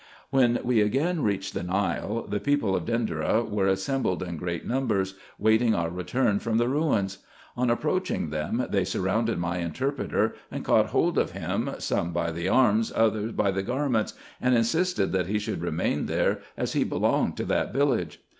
When we again reached the Nile, the people of Dendera were assembled in great numbers, waiting our return from the ruins. On approaching them they surrounded my interpreter, and caught hold of him, some by the arms, others by the garments, and insisted that he should remain there, as he belonged to that village.